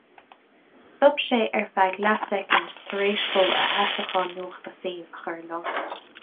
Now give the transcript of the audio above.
Stop sé ar feadh leathsoicind tar éis dó a fheasachán nuachta féin a chur i láthair.